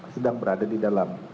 sedang berada di dalam